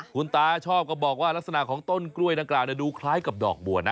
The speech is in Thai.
คุณตาชอบก็บอกว่าลักษณะของต้นกล้วยดังกล่าวดูคล้ายกับดอกบัวนะ